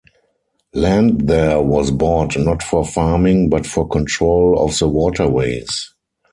Land there was bought not for farming but for control of the waterways.